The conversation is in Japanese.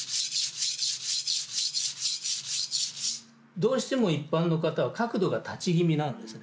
どうしても一般の方は角度が立ち気味なんですね。